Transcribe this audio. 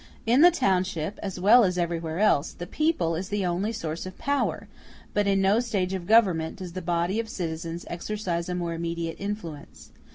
In the township, as well as everywhere else, the people is the only source of power; but in no stage of government does the body of citizens exercise a more immediate influence.